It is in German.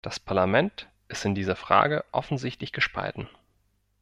Das Parlament ist in dieser Frage offensichtlich gespalten.